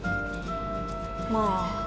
まあ